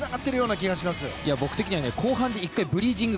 僕的には後半でブリージング。